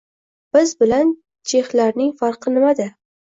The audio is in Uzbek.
Biz bilan chexlarning farqi nimada?